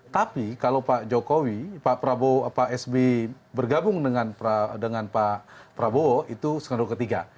tapi kalau pak jokowi pak prabowo pak sby bergabung dengan pak prabowo itu skenario ketiga